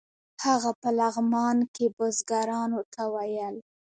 هغه په لغمان کې بزګرانو ته ویل.